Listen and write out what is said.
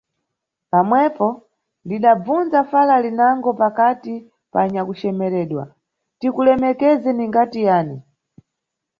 Pamwepo – lidabvunza fala linango pakati pa anyakucemeredwa – Tikulemekeze ningati yani?